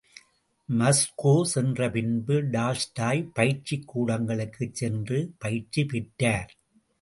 Moscow சென்ற பின்பு, Tolstoy பயிற்சிக் கூடங்களுக்குச் சென்று பயிற்சி பெற்றார்.